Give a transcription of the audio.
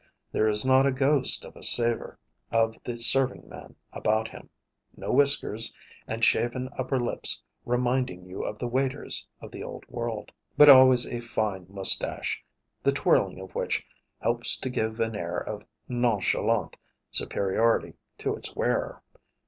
There is not a ghost of a savor of the serving man about him; no whiskers and shaven upper lips reminding you of the waiters of the Old World; but always a fine mustache, the twirling of which helps to give an air of nonchalant superiority to its wearer.